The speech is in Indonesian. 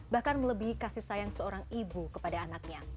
bahkan melebihi kasih sayang seorang ibu kepada anaknya